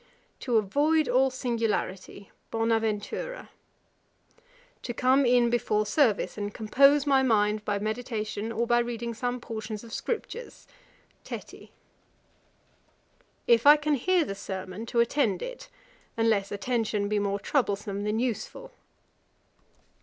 'To avoid all singularity; Bonaventura. 'To come in before service, and compose my mind by meditation, or by reading some portions of scriptures. Tetty. 'If I can hear the sermon, to attend it, unless attention be more troublesome than useful.